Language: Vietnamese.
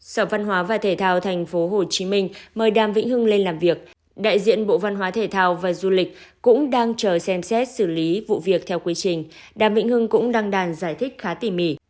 sở văn hóa và thể thao tp hcm mời đàm vĩnh hưng lên làm việc đại diện bộ văn hóa thể thao và du lịch cũng đang chờ xem xét xử lý vụ việc theo quy trình đàm vĩnh hưng cũng đăng đàn giải thích khá tỉ mỉ